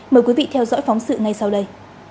mời quý vị theo dõi phóng sự ngay sau đây